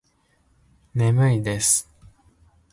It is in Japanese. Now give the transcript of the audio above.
眠いです。